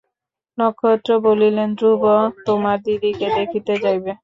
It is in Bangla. নক্ষত্র বলিলেন, ধ্রুব তোমার দিদিকে দেখিতে যাইবে?